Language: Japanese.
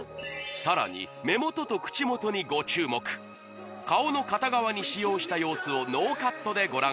さらに目元と口元にご注目顔の片側に使用した様子をノーカットでご覧